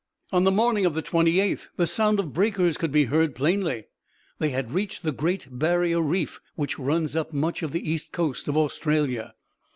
On the morning of the 28th the sound of breakers could be heard plainly; they had reached the Great Barrier Reef, which runs up much of the east coast of Australia.